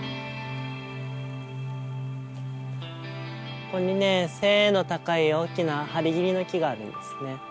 ここにね背の高い大きなハリギリの木があるんですね。